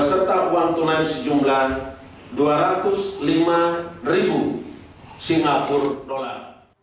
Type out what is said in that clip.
serta uang tunai sejumlah dua ratus lima ribu singapura dollar